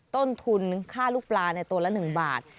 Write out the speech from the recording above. ต้นทุนค่าลูกปลาในตัวละ๑บาท